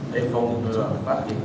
để phòng ngừa phát hiện